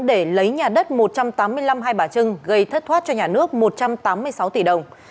để lấy nhà đất một trăm tám mươi năm hai bà trưng gây thất thoát cho nhà nước một trăm tám mươi sáu tỷ đồng